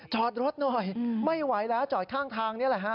จอดรถหน่อยไม่ไหวแล้วจอดข้างทางนี่แหละฮะ